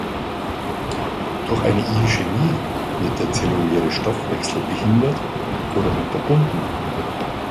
Durch eine Ischämie wird der zelluläre Stoffwechsel behindert oder unterbunden.